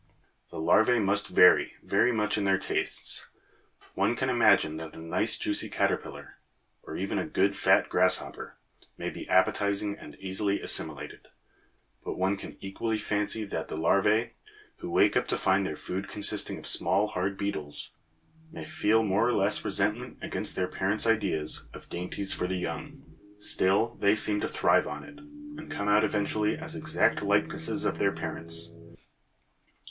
The larvæ must vary very much in their tastes; one can imagine that a nice juicy caterpillar, or even a good fat grasshopper, may be appetizing and easily assimilated, but one can equally fancy that the larvæ, who wake up to find their food consisting of small hard beetles, may feel more or less resentment against their parents' ideas of dainties for the young! Still they seem to thrive on it, and come out eventually as exact likenesses of their parents.